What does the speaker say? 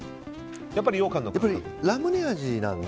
やっぱりようかん？